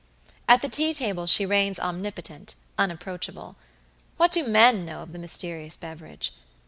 At the tea table she reigns omnipotent, unapproachable. What do men know of the mysterious beverage?